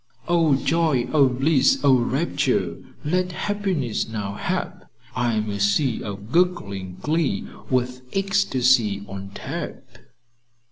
"'O joy, O bliss, O rapture! Let happiness now hap! I am a sea of gurgling glee, with ecstacy on tap.'"